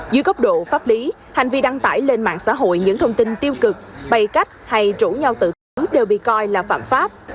dưới cốc độ pháp lý hành vi đăng tải lên mạng xã hội những thông tin tiêu cực bày cách hay rủ nhau tự tử đều bị coi là phạm pháp